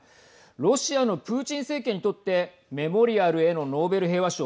ロシアのプーチン政権にとってメモリアルへのノーベル平和賞